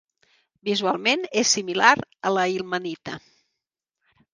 Visualment és similar a la ilmenita.